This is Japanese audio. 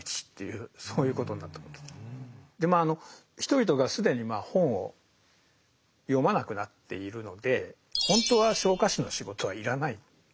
でまあ人々が既に本を読まなくなっているのでほんとは昇火士の仕事は要らないですよね。